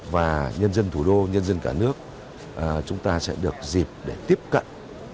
và nhân dân thủ đô nhân dân cả nước chúng ta sẽ được dịp để tiếp cận